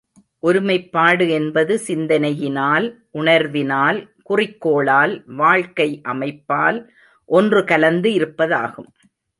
ஒருமைப்பாடு என்பது சிந்தனையினால் உணர்வினால், குறிக்கோளால், வாழ்க்கை அமைப்பால் ஒன்று கலந்து இருப்பதாகும்.